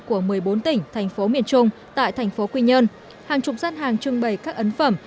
của một mươi bốn tỉnh thành phố miền trung tại thành phố quy nhơn hàng trục gian hàng trưng bày các ấn phẩm